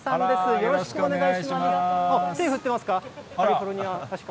よろしくお願いします。